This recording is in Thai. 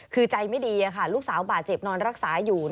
คือใจไม่ดีลูกสาวบาดเจ็บนอนรักษาอยู่